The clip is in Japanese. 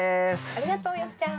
ありがとうよっちゃん。